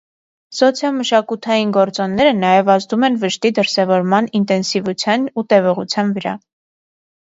Սոցիոմշակութային գործոնները նաև ազդում են վշտի դրսևորման ինտենսիվությոան ու տևողության վրա։